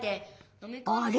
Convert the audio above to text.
あれ？